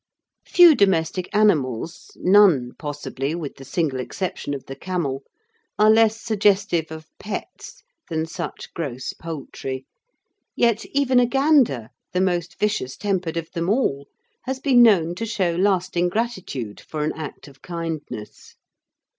Few domestic animals none, possibly, with the single exception of the camel are less suggestive of "pets" than such gross poultry, yet even a gander, the most vicious tempered of them all, has been known to show lasting gratitude for an act of kindness.